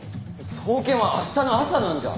送検は明日の朝なんじゃ！